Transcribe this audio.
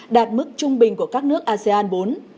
đạt mức trung bình của các nước asean bốn